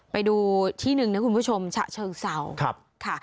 ไปดูที่หนึ่งนะคุณผู้ชมฉะเชิงเศร้าค่ะ